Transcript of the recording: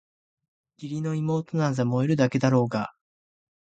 義理の妹なんざ萌えるだけだろうがあ！